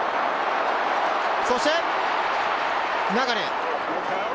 そして流。